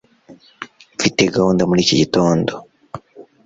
mfite gahunda muri iki gitondo